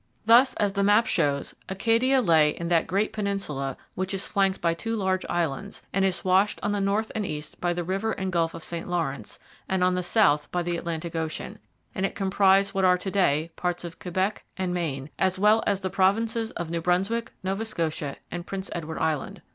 Thus, as the map shows, Acadia lay in that great peninsula which is flanked by two large islands, and is washed on the north and east by the river and gulf of St Lawrence, and on the south by the Atlantic Ocean; and it comprised what are to day parts of Quebec and Maine, as well as the provinces of New Brunswick, Nova Scotia, and Prince Edward Island.